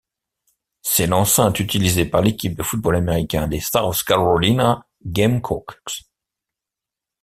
C'est l'enceinte utilisée par l'équipe de football américain des South Carolina Gamecocks.